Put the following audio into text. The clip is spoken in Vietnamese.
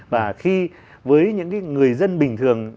và khi với những cái người dân bình thường